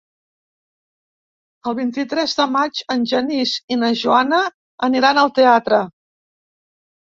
El vint-i-tres de maig en Genís i na Joana aniran al teatre.